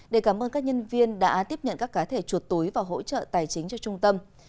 để cảm ơn các nhân viên đã tiếp nhận các cá thể chuột túi và hỗ trợ tài chính cho trung tâm